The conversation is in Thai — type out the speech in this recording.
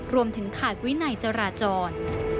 รวมถึงขาดวินัยจราจร